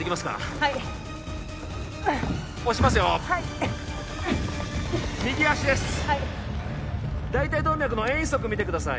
はい大腿動脈の遠位側みてください